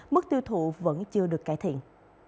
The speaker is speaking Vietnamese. mức tiêu thụ vẫn chưa được cải thiện